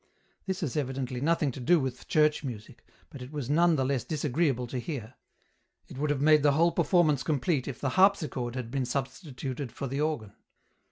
This has evidently nothing to do with church music, but it was none the less disagreeable to hear. It would have made the whole performance complete if the harpsichord had been substituted for the organ.